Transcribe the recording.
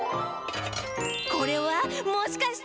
これはもしかして？